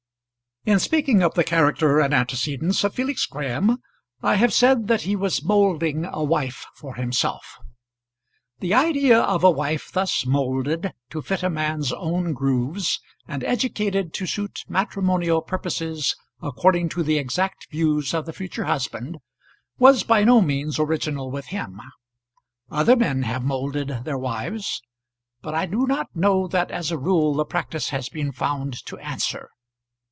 In speaking of the character and antecedents of Felix Graham I have said that he was moulding a wife for himself. The idea of a wife thus moulded to fit a man's own grooves, and educated to suit matrimonial purposes according to the exact views of the future husband was by no means original with him. Other men have moulded their wives, but I do not know that as a rule the practice has been found to answer.